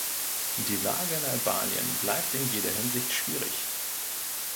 Die Lage in Albanien bleibt in jeder Hinsicht schwierig.